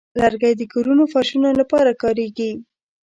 لرګی د کورونو فرشونو لپاره کاریږي.